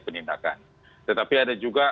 penindakan tetapi ada juga